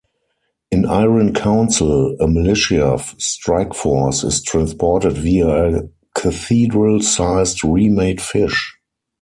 In "Iron Council", a militia strike force is transported via a cathedral-sized Remade fish.